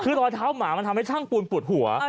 คือรอยเท้าหมามันทำให้ช่างปูนปวดหัว